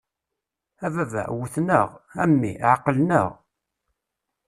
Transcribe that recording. A baba! Wwten-aɣ, a mmi! Ɛeqlen-aɣ.